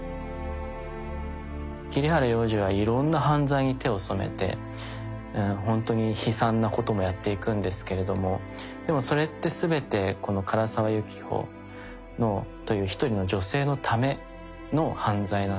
桐原亮司はいろんな犯罪に手を染めてほんとに悲惨なこともやっていくんですけれどもでもそれって全てこの唐沢雪穂という一人の女性のための犯罪なんですよね。